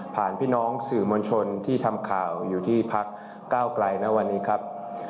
พี่น้องสื่อมวลชนที่ทำข่าวอยู่ที่พักก้าวไกลนะวันนี้ครับ